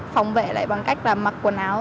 phòng vệ lại bằng cách là mặc quần áo